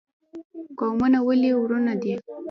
قومونه ولې ورونه دي؟